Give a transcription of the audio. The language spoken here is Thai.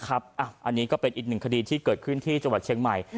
อันนี้ก็เป็นอีก๑คดีที่เกิดขึ้นที่ชมเชียงใหม่